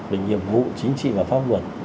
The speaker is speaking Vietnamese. về nhiệm vụ chính trị và pháp luật